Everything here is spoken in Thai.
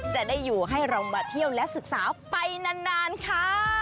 จะได้อยู่ให้เรามาเที่ยวและศึกษาไปนานค่ะ